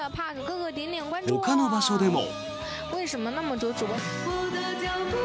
ほかの場所でも。